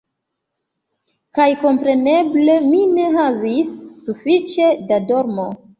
Kaj kompreneble, mi ne havis sufiĉe da dormo.